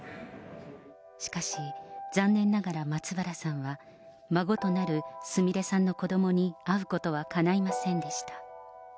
しかし、残念ながら松原さんは、孫となるすみれさんの子どもに会うことはかないませんでした。